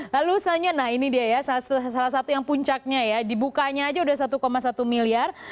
lalu selanjutnya nah ini dia ya salah satu yang puncaknya ya dibukanya aja udah satu satu miliar